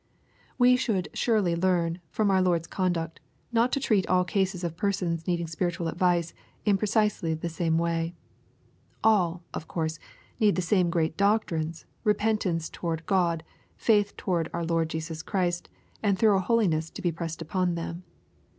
We should surely learn, from our Lord*s conduct, not to treat all cases of persons needing spiritual advice, in precisely the same way. AIL of course, need the same great doctrines, repent ance towards God, futh towards our Lord Jesus Christ, and thorough hoHness to be pressed upon them.